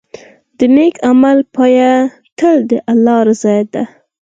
د نیک عمل پایله تل د الله رضا ده.